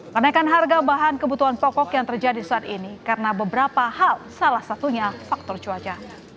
kenaikan harga bahan kebutuhan pokok yang terjadi saat ini karena beberapa hal salah satunya faktor cuaca